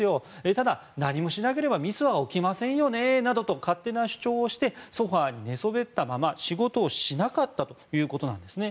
ただ、何もしなければミスは起きませんよねと勝手な主張をしてソファに寝そべったまま仕事をしなかったということなんですね。